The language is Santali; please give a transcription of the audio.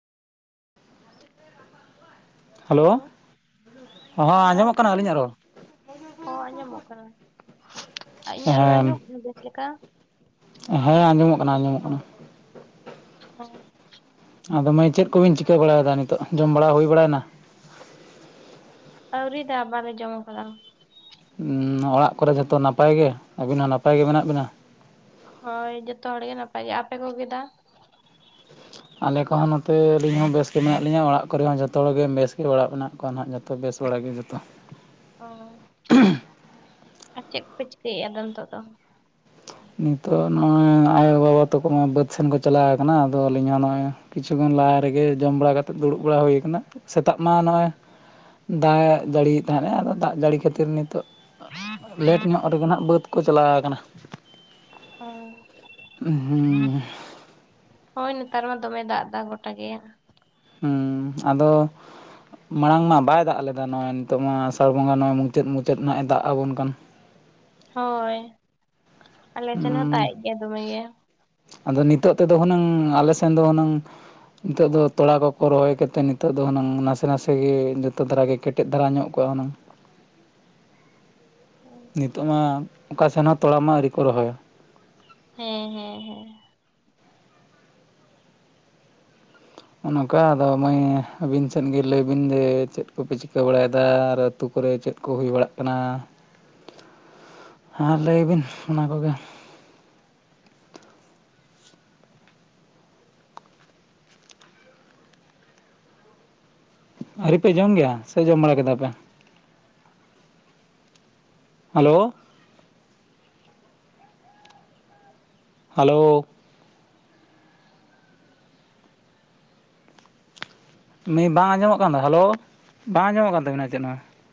ᱦᱮᱞᱳ ᱦᱚᱸ ᱨᱚᱲ ᱟᱸᱡᱚᱢᱚᱜ ᱠᱚ ᱟᱡᱚᱢᱚᱜ ᱟᱹᱞᱤᱧᱟᱜ ᱠᱟᱱᱟ? ᱨᱚᱲ? ᱦᱚᱸ ᱟᱸᱡᱚᱢᱚᱜ ᱠᱟᱱᱟ, ᱟᱨ ᱤᱧᱟᱹᱜ ᱨᱚᱲ ᱦᱮᱸ ᱟᱸᱡᱚᱢᱚᱜ ᱠᱟᱱᱟ ᱵᱮᱥ ᱞᱮᱠᱟ ᱾ ᱦᱮᱸ ᱟᱸᱡᱚᱢᱚᱜ ᱠᱟᱱᱟ ᱟᱸᱡᱚᱢᱚᱜ ᱠᱟᱱᱟ ᱾ ᱚ ᱾ ᱟᱫᱚ ᱢᱟᱹᱭ ᱪᱮᱫ ᱠᱚ ᱵᱮᱱ ᱪᱤᱠᱟᱹ ᱵᱟᱲᱟᱭᱮᱫᱟ ᱱᱤᱛᱚᱜ ᱡᱚᱢ ᱵᱟᱲᱟ ᱦᱩᱭ ᱵᱟᱲᱟᱭᱮᱱᱟ? ᱟᱹᱣᱨᱤ ᱫᱟ ᱵᱟᱞᱮ ᱡᱚᱢ ᱠᱟᱫᱟ ᱾ ᱚᱲᱟᱜ ᱠᱚᱨᱮ ᱡᱚᱛᱚ ᱱᱟᱯᱟᱭ ᱜᱮ ᱟᱹᱵᱤᱱ ᱦᱚᱸ ᱱᱟᱯᱟᱭ ᱜᱮ ᱢᱮᱱᱟᱜ ᱵᱤᱱᱟ? ᱦᱚᱭ ᱡᱚᱛᱚ ᱦᱚᱲ ᱜᱮ ᱱᱟᱯᱟᱭ ᱜᱮ ᱟᱯᱮ ᱠᱚ ᱜᱮ ᱫᱟ? ᱟᱞᱮ ᱠᱚᱦᱚᱸ ᱱᱚᱛᱮ ᱟᱹᱞᱤᱧ ᱦᱚᱸ ᱵᱮᱥ ᱜᱮ ᱢᱮᱱᱟᱜ ᱞᱤᱧᱟᱹ ᱚᱲᱟᱜ ᱠᱚᱨᱮ ᱦᱚᱸ ᱡᱚᱛᱚ ᱦᱚᱲᱜᱮ ᱵᱮᱥ ᱜᱮ ᱚᱲᱟᱜ ᱢᱮᱱᱟᱜᱼᱼ ᱠᱚᱣᱟ ᱱᱟᱦᱟᱜ ᱡᱚᱛᱚ ᱵᱮᱥ ᱵᱟᱲᱟ ᱜᱮ ᱡᱚᱛᱚ ᱾ ᱚᱻ ᱟᱨ ᱪᱮᱫ ᱠᱚ ᱯᱮ ᱪᱤᱠᱟᱹᱭᱮᱫᱼᱟ ᱟᱫᱚ ᱱᱤᱛᱚᱜ ᱫᱚ? ᱱᱤᱛᱚᱜ ᱱᱚᱜᱼᱚᱭ ᱟᱭᱳ ᱵᱟᱵᱟ ᱛᱟᱠᱚ ᱢᱟ ᱵᱟᱹᱫᱽ ᱥᱮᱱ ᱠᱚ ᱪᱟᱞᱟᱣ ᱠᱟᱱᱟ ᱟᱫᱚ ᱟᱹᱞᱤᱧ ᱦᱚᱸ ᱱᱚᱜᱼᱚᱭ ᱼᱼ ᱠᱤᱪᱷᱩ ᱠᱷᱚᱱ ᱞᱟᱦᱟ ᱨᱮᱜᱮ ᱡᱚᱢ ᱵᱟᱲᱟ ᱠᱟᱛᱮᱫ ᱫᱩᱲᱩᱵ ᱵᱟᱲᱟ ᱦᱩᱭ ᱠᱟᱱᱟ ᱥᱮᱛᱟᱜ ᱢᱟ ᱱᱚᱜᱼᱚᱭ ᱼᱼ ᱫᱟᱜ ᱡᱟᱹᱲᱤᱭᱮᱫ ᱛᱟᱦᱮᱸᱱᱟ ᱟᱫᱚ ᱫᱟᱜ ᱡᱟᱹᱲᱤ ᱠᱷᱟᱹᱛᱤᱨ ᱱᱤᱛᱚᱜ ᱼᱼ ᱞᱮᱹᱴ ᱧᱚᱜ ᱨᱮᱜᱮ ᱱᱟᱦᱟᱸᱜ ᱵᱟᱹᱫᱽ ᱠᱚ ᱪᱟᱞᱟᱣ ᱠᱟᱱᱟ ᱾ ᱚᱻ ᱦᱩᱸ ᱦᱳᱭ ᱱᱮᱛᱟᱨ ᱢᱟ ᱫᱚᱢᱮᱭ ᱫᱟᱜ ᱮᱫᱟ ᱜᱚᱴᱟ ᱜᱮ ᱾ ᱦᱩᱸ ᱟᱫᱚᱼᱼ ᱢᱟᱲᱟᱝ ᱢᱟ ᱵᱟᱭ ᱫᱟᱜ ᱞᱮᱫᱟ, ᱱᱚᱜᱼᱚᱭ ᱱᱤᱛᱚᱜ ᱢᱟ ᱟᱥᱟᱲ ᱵᱚᱸᱜᱟ ᱱᱚᱜᱼᱚᱭ ᱢᱩᱪᱟᱹᱫ ᱢᱩᱪᱟᱹᱫ ᱦᱟᱸᱜᱼᱮ ᱫᱟᱜ ᱟᱵᱚᱱ ᱠᱟᱱ ᱾ ᱦᱳᱭ ᱟᱞᱮ ᱥᱮᱱ ᱦᱚᱸ ᱦᱩᱸ ᱫᱟᱜᱮᱫ ᱜᱮᱭᱟ ᱫᱚᱢᱮ ᱜᱮ ᱾ ᱟᱫᱚ ᱱᱤᱛᱚᱜ ᱛᱮᱫᱚ ᱦᱩᱱᱟᱹᱝ ᱟᱞᱮ ᱥᱮᱱ ᱫᱚ ᱦᱩᱱᱟᱹᱝ ᱼᱼ ᱱᱤᱛᱚᱜ ᱫᱚ ᱛᱚᱲᱟ ᱠᱚᱠᱚ ᱨᱚᱦᱚᱭ ᱠᱟᱛᱮ ᱱᱤᱛᱚᱜ ᱫᱚ ᱦᱩᱱᱟᱹᱝ ᱱᱟᱥᱮ ᱱᱟᱥᱮ ᱜᱮ ᱡᱚᱛᱚ ᱫᱷᱟᱨᱟᱜᱮ ᱠᱮᱴᱮᱡ ᱫᱷᱟᱨᱟ ᱧᱚᱜ ᱠᱚᱜᱼᱟ ᱦᱩᱱᱟᱹᱝ ᱾ ᱦᱩᱸ᱾ ᱱᱤᱛᱚᱜ ᱢᱟ ᱚᱠᱟ ᱥᱮᱱ ᱦᱚᱸ ᱛᱚᱲᱟ ᱢᱟ ᱟᱹᱣᱨᱤᱠᱚ ᱨᱚᱦᱚᱭᱟ᱾ ᱦᱮᱸ ᱦᱮᱸ ᱦᱮᱸ᱾ ᱱᱚᱜᱼ ᱱᱚᱝᱠᱟ ᱟᱫᱚ ᱢᱟᱹᱭ ᱟᱹᱵᱤᱱ ᱥᱮᱫ ᱜᱮ ᱞᱟᱹᱭᱵᱤᱱ ᱡᱮ ᱪᱮᱫ ᱠᱚᱯᱮ ᱪᱤᱠᱟᱹ ᱵᱟᱲᱟᱭ ᱮᱫᱟ᱾ ᱟᱨᱼ- ᱟᱹᱛᱩ ᱠᱚᱨᱮ ᱪᱮᱫ ᱠᱚ ᱦᱩᱭ ᱵᱟᱲᱟᱜ ᱠᱟᱱᱟ, ᱟᱨ ᱞᱟᱹᱭ ᱵᱤᱱ ᱚᱱᱟ ᱠᱚᱜᱮ ᱟᱹᱣᱨᱤ ᱯᱮ ᱡᱚᱢ ᱜᱮᱭᱟ ᱥᱮ ᱡᱚᱢ ᱵᱟᱲᱟ ᱠᱮᱫᱟ ᱯᱮ? ᱦᱮᱞᱳ᱾ ᱦᱮᱞᱳ᱾ ᱵᱟᱝ ᱟᱸᱡᱚᱢᱚᱜ ᱠᱟᱱ ᱫᱚ ᱦᱮᱞᱳ᱾ᱵᱟᱝ ᱟᱸᱡᱚᱢᱚᱜ ᱠᱟᱱ ᱛᱟᱵᱤᱱᱟ ᱪᱮᱫ ᱦᱚᱸ᱾